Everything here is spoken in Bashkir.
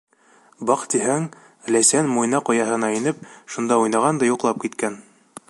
Баҡтиһәң, Ләйсән Муйнаҡ ояһына инеп, шунда уйнаған да йоҡлап киткән.